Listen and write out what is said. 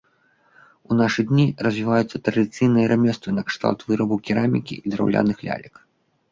У нашы дні развіваюцца традыцыйныя рамёствы накшталт вырабу керамікі і драўляных лялек.